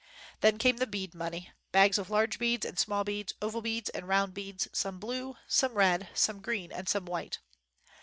Then came the bead money — bags of large beads and small beads, oval beads and round beads, some blue, some red, some green, and some white.